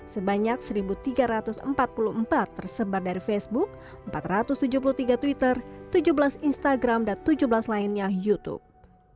sebanyak satu tiga ratus empat puluh empat tersebar dari facebook empat ratus tujuh puluh tiga twitter tujuh belas instagram dan tujuh belas lainnya youtube